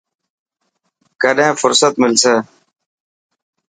ڪڏهن فهرست ملسي.